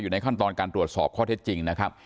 ในขั้นตอนการตรวจสอบข้อเท็จจริงนะครับ